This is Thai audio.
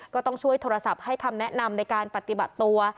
ก็ต้องช่วยโทรศัพท์ให้คำแนะนำในการปฏิบัติตัว